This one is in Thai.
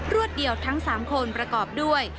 วดเดียวทั้ง๓คนประกอบด้วย